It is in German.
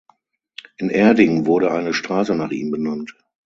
In Erding wurde eine Straße nach ihm benannt.